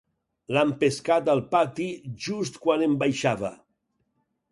L'han pescat al pati just quan en baixava.